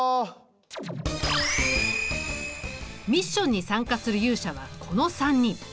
ミッションに参加する勇者はこの３人。